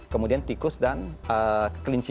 kemudian tikus dan kelinci